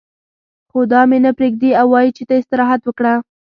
خو دا مې نه پرېږدي او وايي چې ته استراحت وکړه.